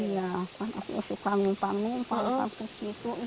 saya suka menumpang di situ